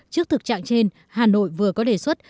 trước thực trạng trên hà nội vừa có đề xuất